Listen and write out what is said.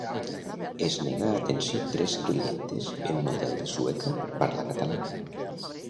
Es nega atenció a tres clientes en un hotel de Sueca per parlar català